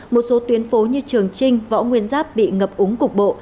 một số tuyến phố như trường trinh võ nguyên giáp bị ngập úng cục bộ